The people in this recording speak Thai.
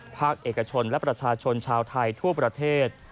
ภาคเอกชนและประชาชนชาวไทยทั่วประเทศ